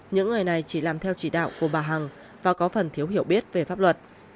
những người này chỉ làm theo chỉ đạo của bà hằng và có phần thiếu hiểu biết về pháp luật